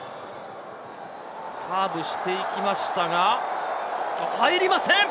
カーブしていきましたが、入りません。